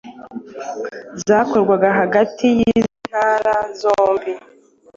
zakorwaga hagati y’izi ntara zombi.